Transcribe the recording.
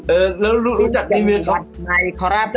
เออแล้วรู้จักที่มีครับ